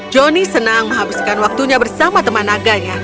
johnny senang menghabiskan waktunya bersama teman naganya